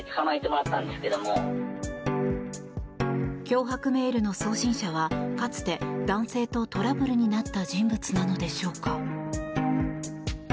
脅迫メールの送信者はかつて、男性とトラブルになった人物なのでしょうか。